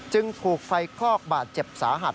จึงถูกไฟคลอกบาดเจ็บสาหัส